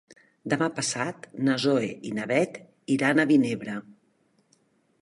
Demà passat na Zoè i na Bet iran a Vinebre.